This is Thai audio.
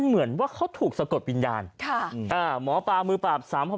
เหมือนว่าเขาถูกสะกดวิญญาณค่ะอ่าหมอปามือปราบสามภาพ